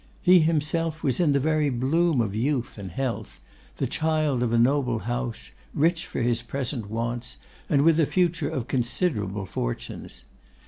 He himself was in the very bloom of youth and health; the child of a noble house, rich for his present wants, and with a future of considerable fortunes.